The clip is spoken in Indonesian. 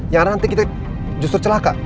yang nanti kita justru celaka